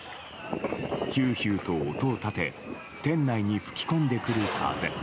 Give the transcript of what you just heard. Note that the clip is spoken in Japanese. ヒューヒューと音を立て店内に吹き込んでくる風。